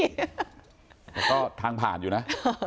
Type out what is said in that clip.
แต่ก็ทางผ่านอยู่นะ